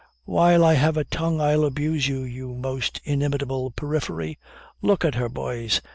"While I have a tongue I'll abuse you, you most inimitable periphery. Look at her, boys!